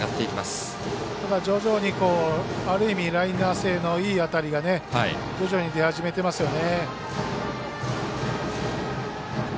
ただ、徐々にある意味ライナー性のいい当たりが徐々に出始めてますよね。